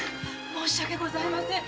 申し訳ございません。